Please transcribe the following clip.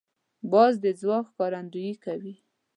باز د ځواک ښکارندویي کوي